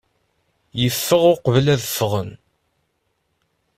Yeffeɣ uqbel ad ffɣen.